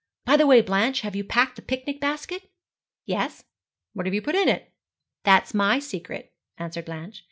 By the way, Blanche, have you packed the picnic basket?' 'Yes.' 'What have you put in?' 'That's my secret,' answered Blanche.